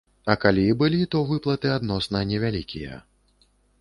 А калі і былі, то выплаты адносна невялікія.